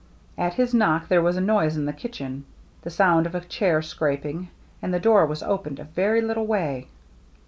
At his knock there was a noise in the kitchen, — the sound of a chair scrap ing, — and the door was opened a very little way.